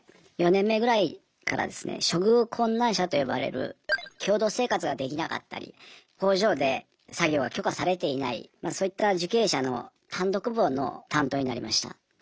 ４年目ぐらいからですね処遇困難者と呼ばれる共同生活ができなかったり工場で作業が許可されていないそういった受刑者の単独房の担当になりました。